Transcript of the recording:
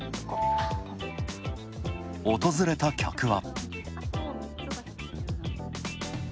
訪れた客は。